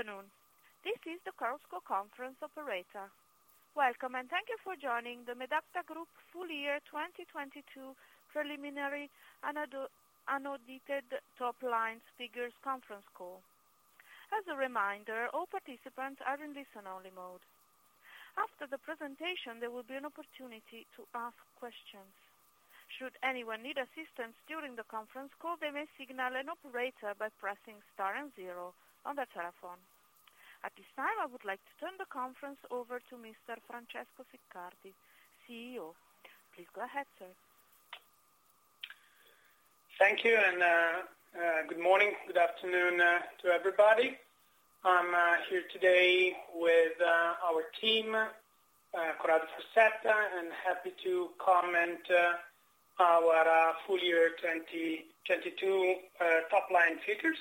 Good afternoon. This is the Chorus Call Conference Operator. Welcome, thank you for joining the Medacta Group Full Year 2022 Preliminary and Audited Top Line Figures Conference Call. As a reminder, all participants are in listen-only mode. After the presentation, there will be an opportunity to ask questions. Should anyone need assistance during the conference call, they may signal an operator by pressing star and zero on their telephone. At this time, I would like to turn the conference over to Mr. Francesco Siccardi, CEO. Please go ahead, sir. Thank you. Good morning, good afternoon to everybody. I'm here today with our team, Corrado Farsetta, and happy to comment our full year 2022 top line figures.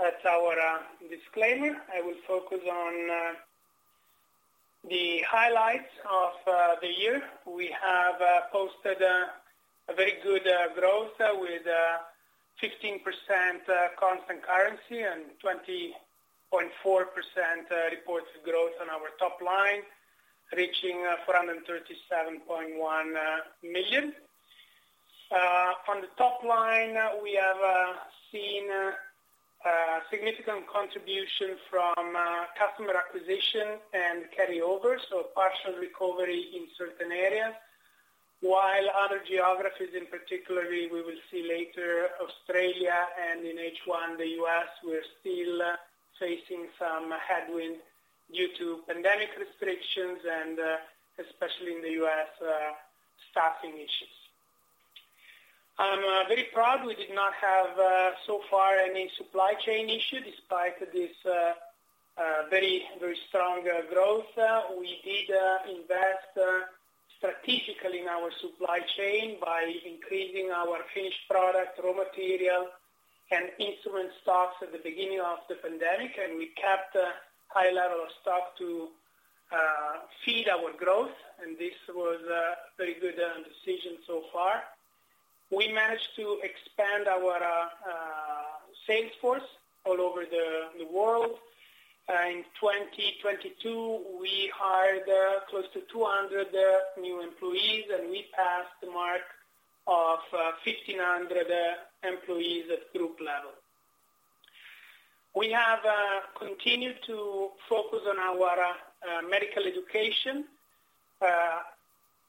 That's our disclaimer. I will focus on the highlights of the year. We have posted a very good growth with 15% constant currency and 20.4% reported growth on our top line, reaching 437.1 million. On the top line, we have seen significant contribution from customer acquisition and carryovers, so partial recovery in certain areas, while other geographies, in particularly we will see later, Australia and in H1, the U.S., we're still facing some headwind due to pandemic restrictions and especially in the U.S., staffing issues. I'm very proud we did not have so far any supply chain issue despite this very strong growth. We did invest strategically in our supply chain by increasing our finished product, raw material, and instrument stocks at the beginning of the pandemic, and we kept a high level of stock to feed our growth, and this was a very good decision so far. We managed to expand our sales force all over the world. In 2022, we hired close to 200 new employees, and we passed the mark of 1,500 employees at group level. We have continued to focus on our medical education.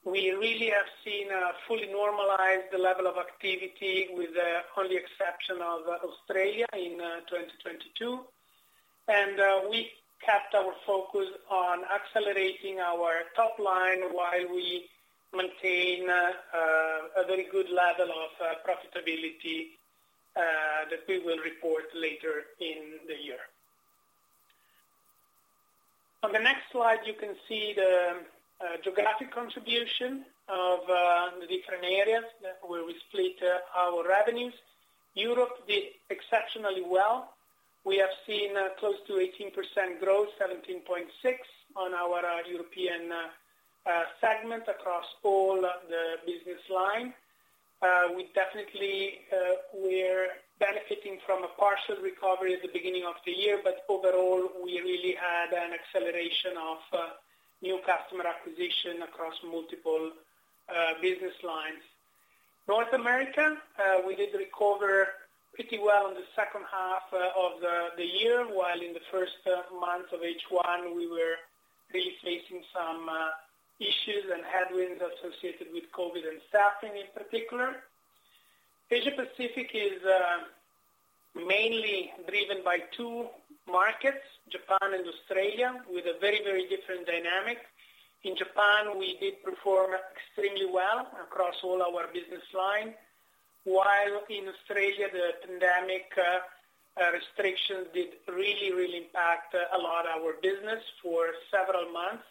We really have seen a fully normalized level of activity with the only exception of Australia in 2022. We kept our focus on accelerating our top line while we maintain a very good level of profitability that we will report later in the year. On the next slide, you can see the geographic contribution of the different areas where we split our revenues. Europe did exceptionally well. We have seen close to 18% growth, 17.6, on our European segment across all the business line. We definitely we're benefiting from a partial recovery at the beginning of the year, but overall, we really had an acceleration of new customer acquisition across multiple business lines. North America, we did recover pretty well in the second half of the year, while in the first month of H1, we were really facing some issues and headwinds associated with COVID and staffing in particular. Asia Pacific is mainly driven by two markets, Japan and Australia, with a very different dynamic. In Japan, we did perform extremely well across all our business line, while in Australia, the pandemic restrictions did really impact a lot our business for several months.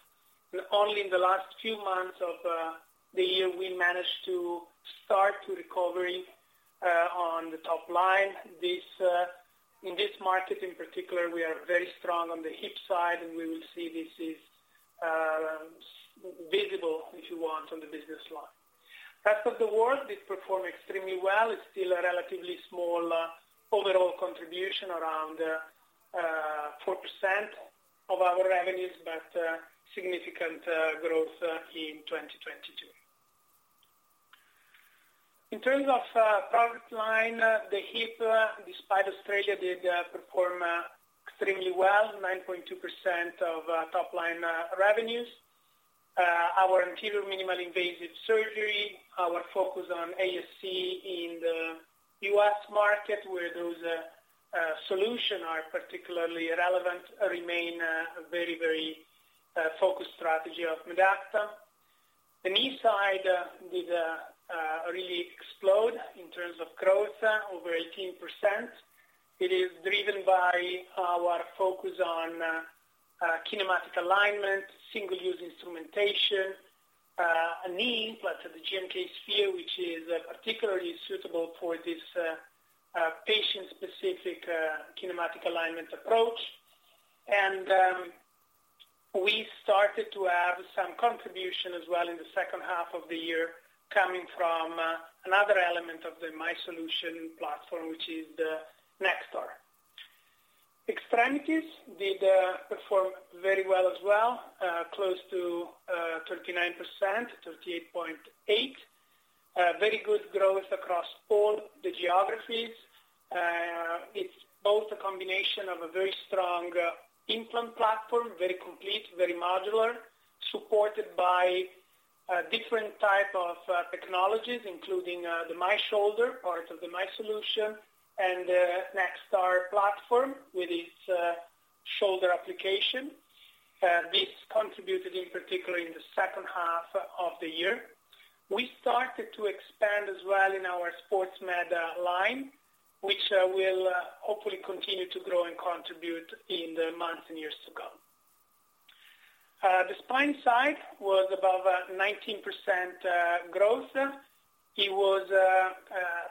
Only in the last few months of the year, we managed to start to recovery on the top line. This in this market, in particular, we are very strong on the hip side, and we will see this is visible, if you want, on the business line. Rest of the world did perform extremely well. It's still a relatively small overall contribution around 4% of our revenues, but significant growth in 2022. In terms of product line, the hip, despite Australia, did perform extremely well, 9.2% of top line revenues. Our Anterior Minimally Invasive Surgery, our focus on ASC in the U.S. market, where those solution are particularly relevant, remain a very, very focused strategy of Medacta. The knee side did really explode in terms of growth over 18%. It is driven by our focus on kinematic alignment, single-use instrumentation, a knee implant, the GMK Sphere, which is particularly suitable for this patient-specific kinematic alignment approach. We started to have some contribution as well in the second half of the year coming from another element of the MySolution platform, which is the NextAR. Extremities did perform very well as well, close to 39%, 38.8%. Very good growth across all the geographies. It's both a combination of a very strong implant platform, very complete, very modular, supported by different type of technologies, including the MyShoulder, part of the MySolution, and the NextAR platform with its shoulder application. This contributed in particular in the second half of the year. We started to expand as well in our sports medicine line, which will hopefully continue to grow and contribute in the months and years to come. The spine side was above 19% growth. It was,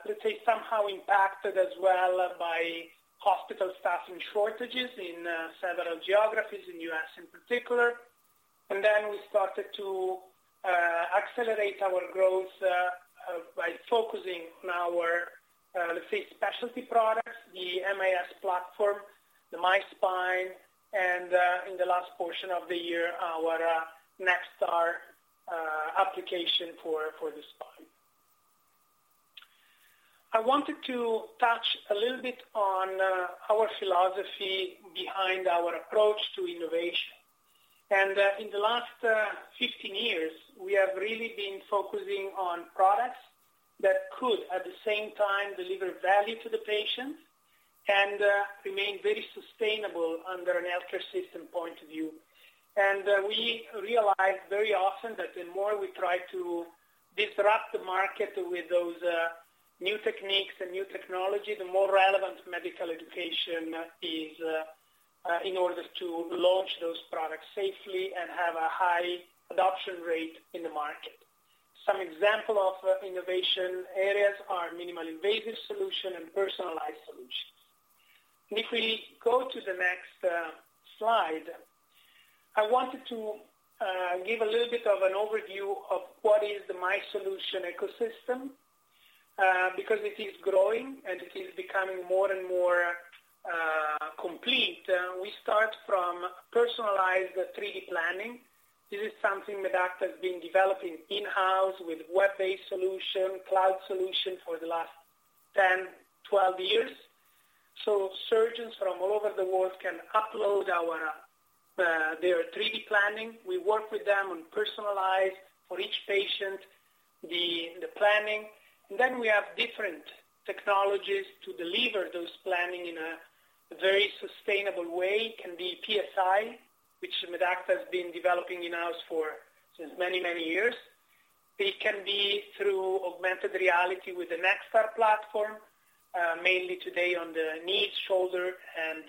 let's say, somehow impacted as well by hospital staffing shortages in several geographies, in U.S. in particular. Then we started to accelerate our growth by focusing on our, let's say, specialty products, the MIS platform, the MySpine, and in the last portion of the year, our NextAR application for the spine. I wanted to touch a little bit on our philosophy behind our approach to innovation. In the last 15 years, we have really been focusing on products that could, at the same time, deliver value to the patients and remain very sustainable under an healthcare system point of view. We realized very often that the more we try to disrupt the market with those new techniques and new technology, the more relevant medical education is in order to launch those products safely and have a high adoption rate in the market. Some example of innovation areas are Minimally Invasive Solution and personalized solutions. If we go to the next slide, I wanted to give a little bit of an overview of what is the MySolution ecosystem because it is growing, and it is becoming more and more complete. We start from personalized 3D planning. This is something Medacta has been developing in-house with web-based solution, cloud solution for the last 10, 12 years. Surgeons from all over the world can upload our, their 3D planning. We work with them on personalized for each patient, the planning. We have different technologies to deliver those planning in a very sustainable way. It can be PSI, which Medacta has been developing in-house for since many, many years. It can be through augmented reality with the NextAR platform, mainly today on the knee, shoulder and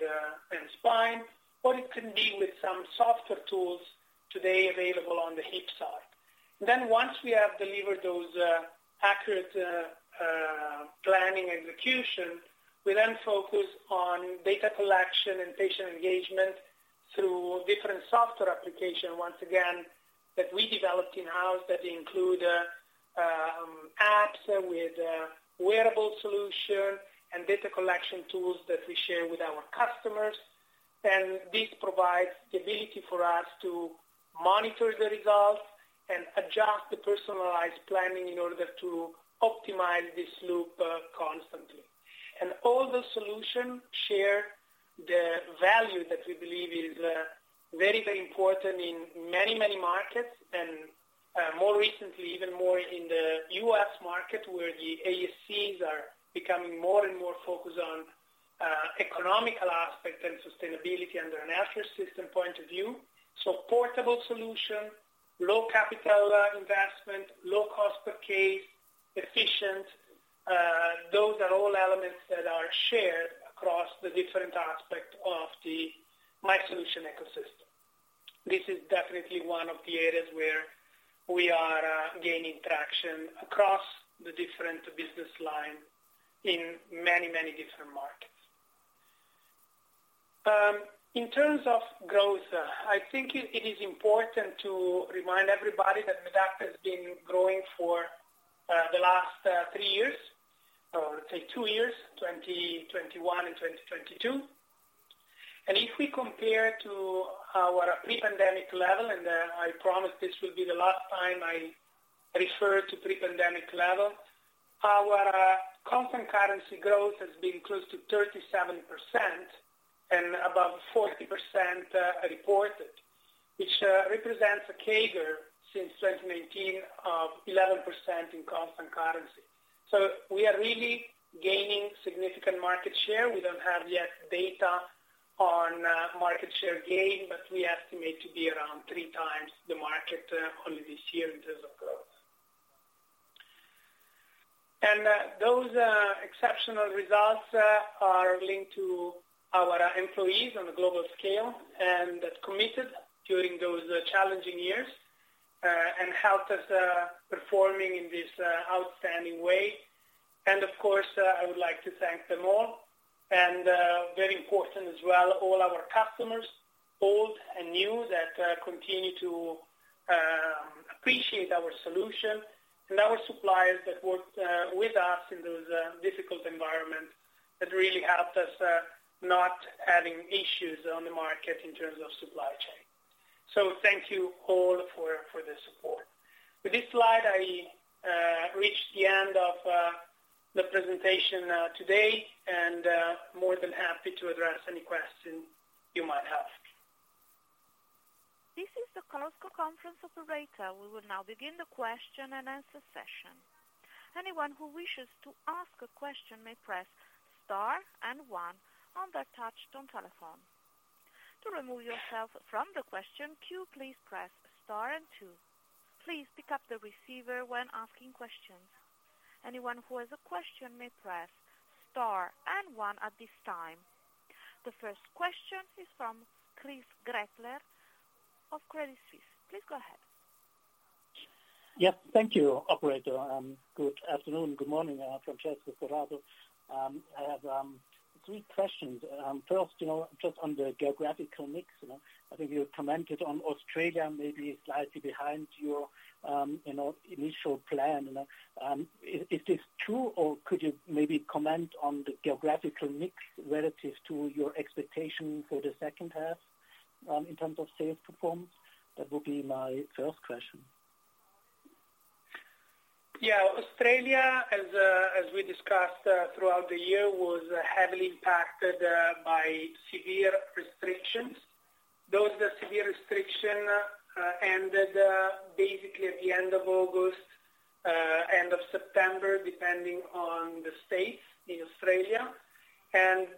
spine, or it can be with some software tools today available on the hip side. Once we have delivered those accurate planning execution, we then focus on data collection and patient engagement through different software application, once again, that we developed in-house that include apps with wearable solution and data collection tools that we share with our customers. This provides the ability for us to monitor the results and adjust the personalized planning in order to optimize this loop constantly. All the solution share the value that we believe is very, very important in many, many markets, more recently, even more in the U.S. market, where the ASCs are becoming more and more focused on economical aspect and sustainability under an healthcare system point of view. Portable solution, low capital investment, low cost per case, efficient. Those are all elements that are shared across the different aspect of the MySolution ecosystem. This is definitely one of the areas where we are gaining traction across the different business line in many, many different markets. In terms of growth, I think it is important to remind everybody that Medacta has been growing for the last three years, or let's say two years, 2021 and 2022. If we compare to our pre-pandemic level, I promise this will be the last time I refer to pre-pandemic level, our constant currency growth has been close to 37% and above 40% reported, which represents a CAGR since 2019 of 11% in constant currency. We are really gaining significant market share. We don't have yet data on market share gain, but we estimate to be around three times the market only this year in terms of growth. Those exceptional results are linked to our employees on a global scale, and committed during those challenging years and helped us performing in this outstanding way. Of course, I would like to thank them all. Very important as well, all our customers, old and new, that continue to appreciate our solution, and our suppliers that worked with us in those difficult environment that really helped us not having issues on the market in terms of supply chain. Thank you all for the support. With this slide, I reached the end of the presentation today, and more than happy to address any question you might have. This is the Chorus Call conference operator. We will now begin the question-and-answer session. Anyone who wishes to ask a question may press star and one on their touchtone telephone. To remove yourself from the question queue, please press star and two. Please pick up the receiver when asking questions. Anyone who has a question may press star and one at this time. The first question is from Christoph Gretler of Credit Suisse. Please go ahead. Yes. Thank you, operator. Good afternoon, good morning, Francesco Corrado. I have three questions. First, you know, just on the geographical mix, you know. I think you commented on Australia maybe slightly behind your, you know, initial plan. Is this true, or could you maybe comment on the geographical mix relative to your expectation for the second half, in terms of sales performance? That would be my first question. Yeah. Australia, as we discussed throughout the year, was heavily impacted by severe restrictions. The severe restriction ended basically at the end of August, end of September, depending on the states in Australia.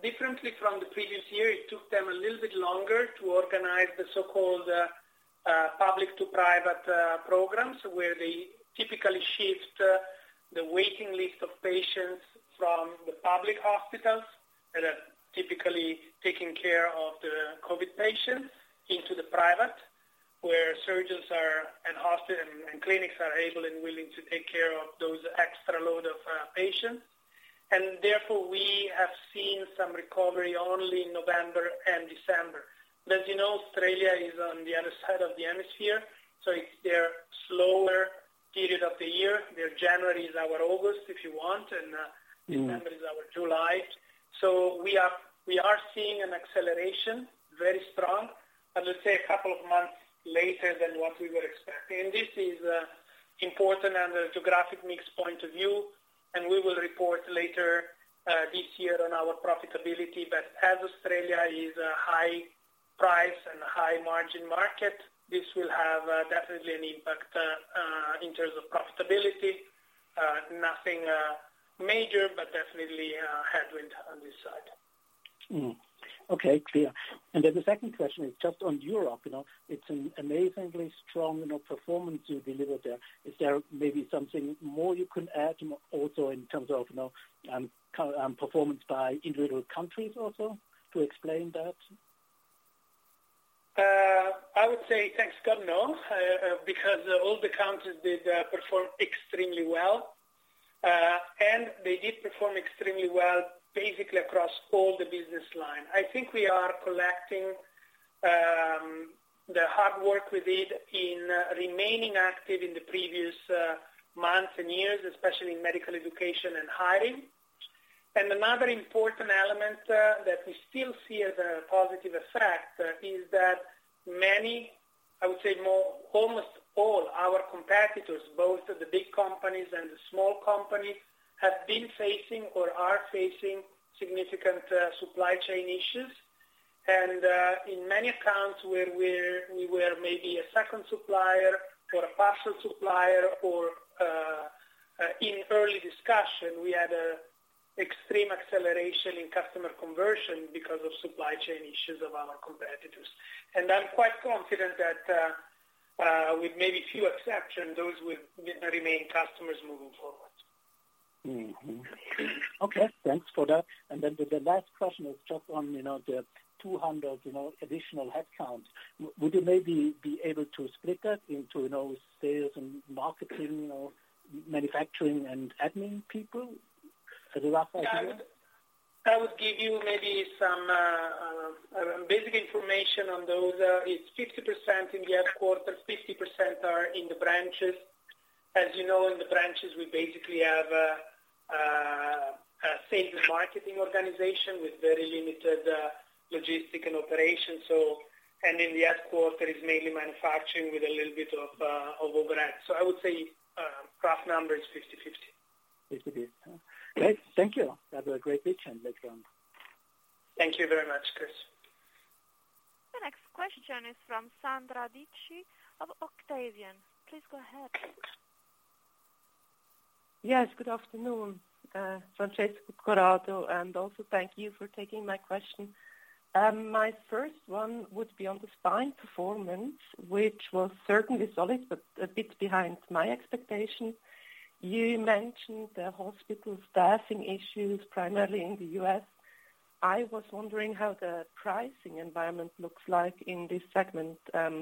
Differently from the previous year, it took them a little bit longer to organize the so-called public-to-private programs, where they typically shift the waiting list of patients from the public hospitals that are typically taking care of the COVID patients into the private, where surgeons are and clinics are able and willing to take care of those extra load of patients. Therefore, we have seen some recovery only in November and December. As you know, Australia is on the other side of the hemisphere, so it's their slower period of the year. Their January is our August, if you want, and. Mm-hmm. December is our July. We are seeing an acceleration, very strong, but let's say a couple of months later than what we were expecting. This is important under the geographic mix point of view, and we will report later this year on our profitability. As Australia is a high price and high margin market, this will have definitely an impact in terms of profitability. Nothing major, but definitely a headwind on this side. Mm-hmm. Okay. Clear. Then the second question is just on Europe, you know. It's an amazingly strong, you know, performance you delivered there. Is there maybe something more you can add, also in terms of, you know, performance by individual countries also to explain that? I would say thank God no, because all the countries did perform extremely well. They did perform extremely well basically across all the business line. I think we are collecting the hard work we did in remaining active in the previous months and years, especially in medical education and hiring. Another important element that we still see as a positive effect is that many, I would say more, almost all our competitors, both the big companies and the small companies, have been facing or are facing significant supply chain issues. In many accounts where we were maybe a second supplier or a partial supplier or in early discussion, we had a extreme acceleration in customer conversion because of supply chain issues of our competitors. I'm quite confident that, with maybe few exceptions, those will remain customers moving forward. Okay. Thanks for that. The last question is just on, you know, the 200, you know, additional headcount. Would you maybe be able to split that into, you know, sales and marketing or manufacturing and admin people as a rough idea? Yeah. I would give you maybe some basic information on those. It's 50% in the headquarters, 50% are in the branches. As you know, in the branches, we basically have a sales and marketing organization with very limited logistic and operations. In the headquarter is mainly manufacturing with a little bit of overhead. I would say, rough number is 50-50. 50/50. great. Thank you. Have a great day, and thanks again. Thank you very much, Chris. The next question is from Sandra Dietschy of Octavian. Please go ahead. Yes, good afternoon, Francesco Corrado, and also thank you for taking my question. My first one would be on the Spine performance, which was certainly solid but a bit behind my expectation. You mentioned the hospital staffing issues primarily in the U.S. I was wondering how the pricing environment looks like in this segment.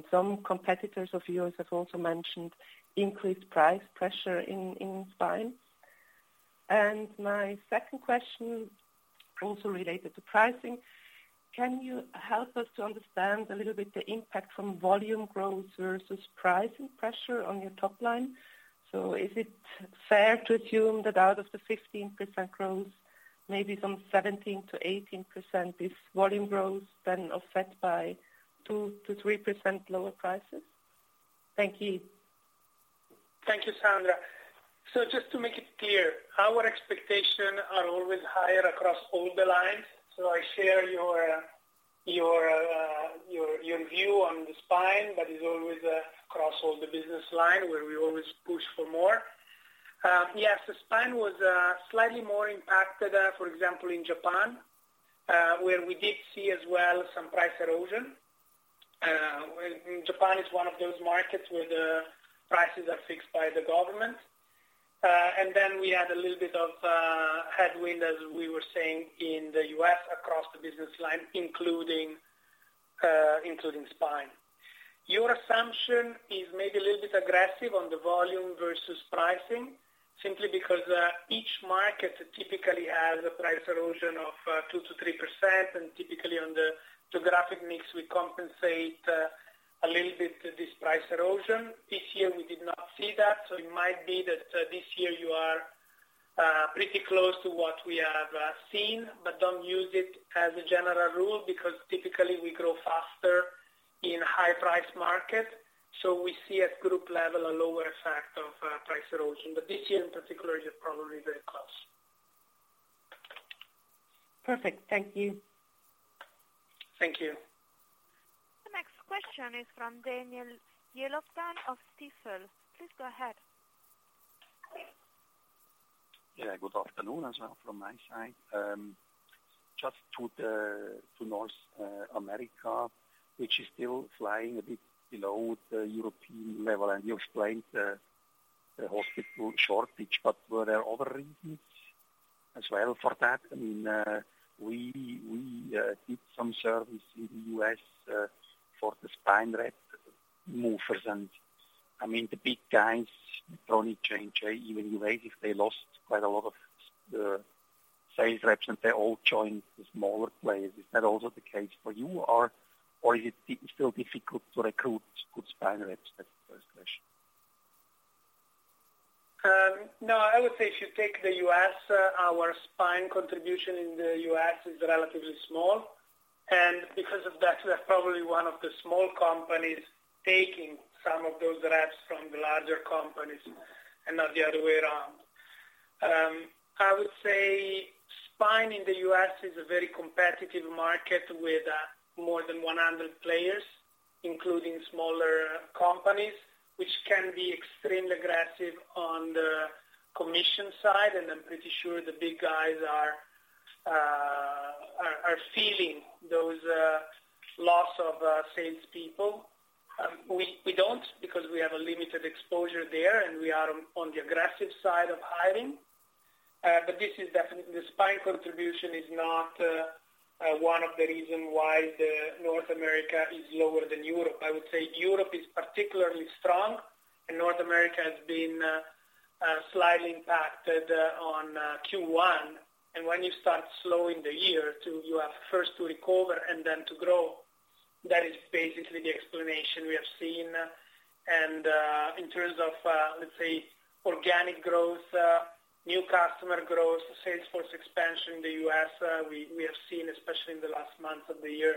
Some competitors of yours have also mentioned increased price pressure in Spine. My second question, also related to pricing, can you help us to understand a little bit the impact from volume growth versus pricing pressure on your top line? Is it fair to assume that out of the 15% growth, maybe some 17%-18% is volume growth then offset by 2%-3% lower prices? Thank you. Thank you, Sandra. just to make it clear, our expectation are always higher across all the lines. I share your view on the Spine, but it's always across all the business line where we always push for more. Yes, the Spine was slightly more impacted, for example, in Japan, where we did see as well some price erosion. Japan is one of those markets where the prices are fixed by the government. we had a little bit of headwind, as we were saying, in the U.S. across the business line, including Spine. Your assumption is maybe a little bit aggressive on the volume versus pricing, simply because each market typically has a price erosion of 2%-3%. Typically on the geographic mix, we compensate a little bit this price erosion. This year, we did not see that. It might be that this year you are pretty close to what we have seen, but don't use it as a general rule because typically we grow faster in high price market. We see at group level a lower effect of price erosion. This year in particular, you're probably very close. Perfect. Thank you. Thank you. The next question is from Daniel Jelovcan of Stifel. Please go ahead. Yeah, good afternoon as well from my side. Just to North America, which is still flying a bit below the European level, and you explained the hospital shortage, but were there other reasons as well for that? I mean, we did some service in the U.S. for the spine rep movers, and I mean, the big guys, chronic change, even if they lost quite a lot of sales reps, and they all joined the smaller players. Is that also the case for you or is it still difficult to recruit good spine reps? That's the first question. No, I would say if you take the U.S., our spine contribution in the U.S. is relatively small. Because of that, we are probably one of the small companies taking some of those reps from the larger companies and not the other way around. I would say spine in the U.S. is a very competitive market with more than 100 players, including smaller companies, which can be extremely aggressive on the commission side. I'm pretty sure the big guys are feeling those loss of salespeople. We, we don't because we have a limited exposure there, and we are on the aggressive side of hiring. This is definitely. The spine contribution is not one of the reason why North America is lower than Europe. I would say Europe is particularly strong and North America has been slightly impacted on Q1. When you start slowing the year you have first to recover and then to grow. That is basically the explanation we have seen. In terms of, let's say, organic growth, new customer growth, sales force expansion in the U.S., we have seen, especially in the last months of the year,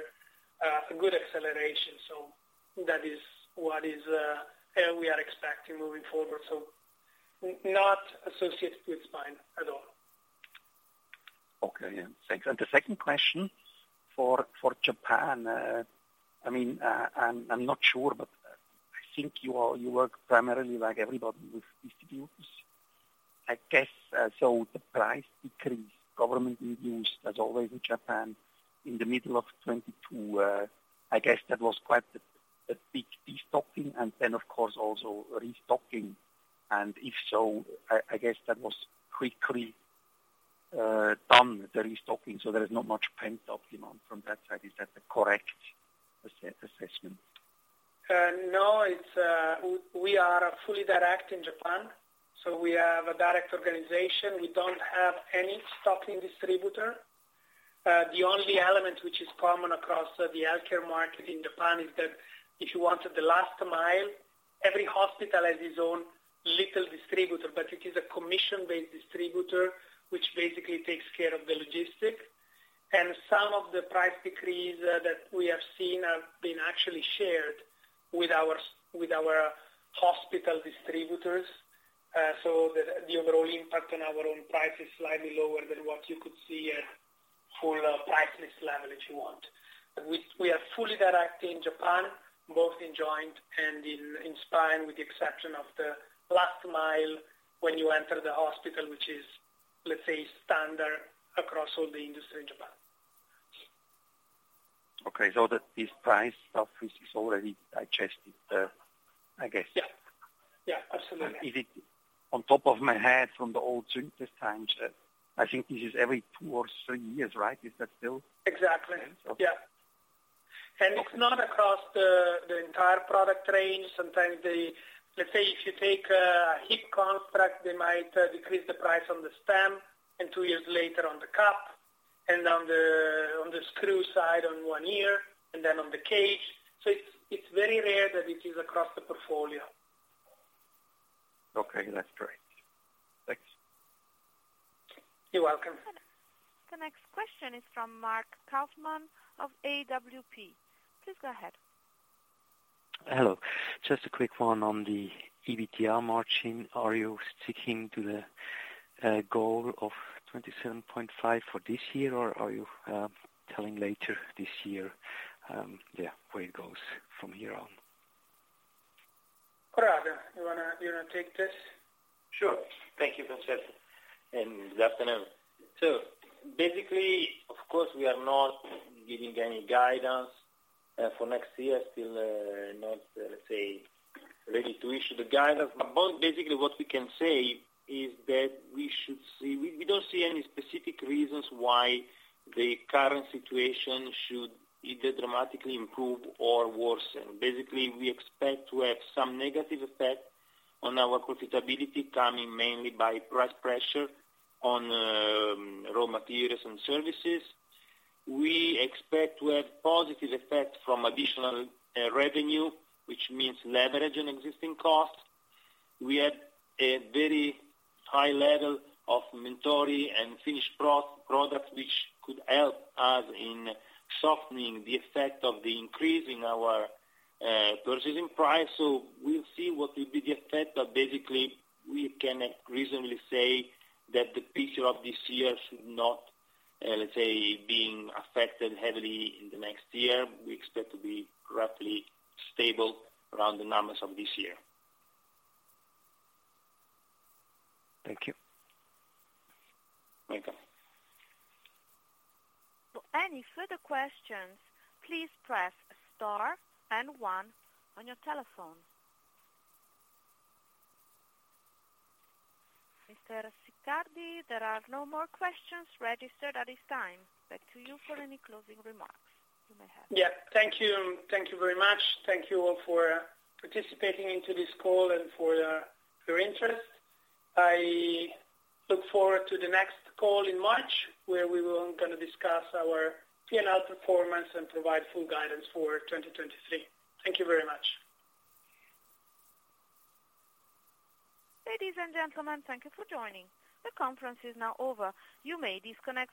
a good acceleration. That is what we are expecting moving forward. Not associated with Spine at all. Okay. Yeah. Thanks. The second question for Japan, I mean, I'm not sure, but I think you all, you work primarily like everybody with distributors. I guess, so the price decrease government reduced as always in Japan in the middle of 2022, I guess that was quite the big destocking and then of course also restocking. If so, I guess that was quickly done, the restocking, so there is not much pent-up demand from that side. Is that the correct assessment? No. It's, we are fully direct in Japan, so we have a direct organization. We don't have any stocking distributor. The only element which is common across the healthcare market in Japan is that if you wanted the last mile, every hospital has its own little distributor, but it is a commission-based distributor, which basically takes care of the logistic. Some of the price decrees that we have seen have been actually shared with our with our hospital distributors, so that the overall impact on our own price is slightly lower than what you could see at full price list level, if you want. We are fully direct in Japan, both in joint and in spine, with the exception of the last mile when you enter the hospital, which is, let's say, standard across all the industry in Japan. Okay. That this price stuff is already digested, I guess. Yeah. Yeah, absolutely. Is it on top of my head from the old times, I think this is every two or three years, right? Is that still-? Exactly. Okay. Yeah. It's not across the entire product range. Sometimes, let's say if you take a hip contract, they might decrease the price on the stem and two years later on the cap, and on the screw side on one year and then on the cage. It's very rare that it is across the portfolio. Okay. That's great. Thanks. You're welcome. The next question is from Markus Kaufmann of ZKB. Please go ahead. Hello. Just a quick one on the EBITDA margin. Are you sticking to the goal of 27.5% for this year, or are you telling later this year where it goes from here on? Corrado, you wanna take this? Sure. Thank you, Francesco, good afternoon. Basically, of course, we are not giving any guidance for next year, still not, let's say, ready to issue the guidance. Basically what we can say is that we should see. We don't see any specific reasons why the current situation should either dramatically improve or worsen. Basically, we expect to have some negative effect on our profitability coming mainly by price pressure on raw materials and services. We expect to have positive effect from additional revenue, which means leverage on existing costs. We had a very high level of inventory and finished products which could help us in softening the effect of the increase in our purchasing price. We'll see what will be the effect. Basically, we can reasonably say that the picture of this year should not, let's say, being affected heavily in the next year. We expect to be roughly stable around the numbers of this year. Thank you. Welcome. For any further questions, please press star and one on your telephone. Mr. Siccardi, there are no more questions registered at this time. Back to you for any closing remarks you may have. Yeah. Thank you. Thank you very much. Thank you all for participating into this call and for your interest. I look forward to the next call in March, where we will gonna discuss our P&L performance and provide full guidance for 2023. Thank you very much. Ladies and gentlemen, thank you for joining. The conference is now over. You may disconnect.